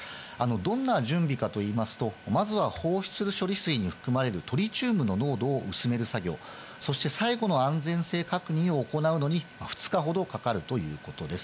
どんな準備かといいますと、まずは放出処理水に含まれるトリチウムの濃度を薄める作業、そして最後の安全性確認を行うのに２日ほどかかるということです。